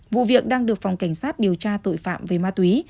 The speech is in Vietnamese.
vụ việc đang được phòng cảnh sát điều tra tội phạm về ma túy